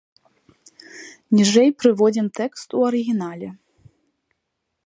Ніжэй прыводзім тэкст у арыгінале.